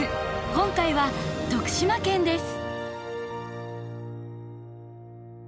今回は徳島県です。